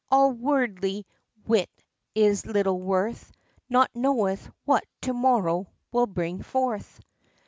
all worldly wit is little worth, Nor knoweth what to morrow will bring forth!